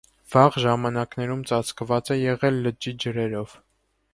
Վաղ ժամանակներում ծաձկվաձ է եղել լճի ջրերով։